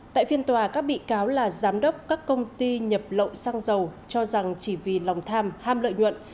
tại phiên tòa các bị cáo là giám đốc các công ty nhập lậu xăng dầu cho rằng chỉ vì lòng tham ham lợi nhuận